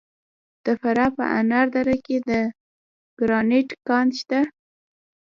د فراه په انار دره کې د ګرانیټ کان شته.